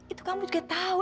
itu kamu juga tahu